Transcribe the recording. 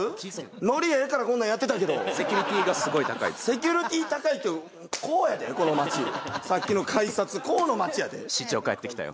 ノリええからこんなんやってたけどセキュリティーがすごい高いセキュリティー高いってこうやでこの街さっきの改札こうの街やで市長帰ってきたよ